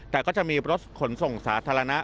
แต่ก็จะมีรถขนส่งสาธารณะ